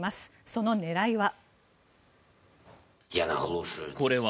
その狙いは。